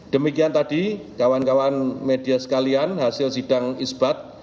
demikian tadi kawan kawan media sekalian hasil sidang isbat